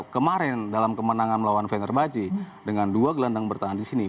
kemarin dalam kemenangan melawan fenerbahce dengan dua gelendang bertahan disini